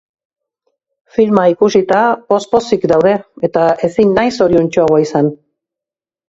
Filma ikusita, poz-pozik daude, eta ezin naiz zoriontsuagoa izan.